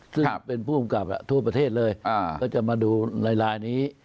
ซึ่งเป็นผู้กำกับทั่วประเทศเลยก็จะมาดูลายนี้